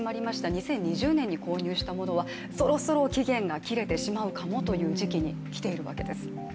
２０２０年に購入したものはそろそろ期限が切れてしまうかもという時期にきているわけです。